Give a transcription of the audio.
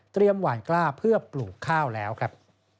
หวานกล้าเพื่อปลูกข้าวแล้วครับ